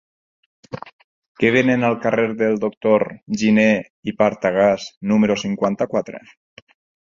Què venen al carrer del Doctor Giné i Partagàs número cinquanta-quatre?